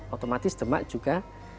otomatis demak juga